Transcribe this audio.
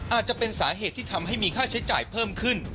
อาจจะเป็นสาเหตุที่ทำให้มีค่าใช้จ่ายเพิ่มขึ้น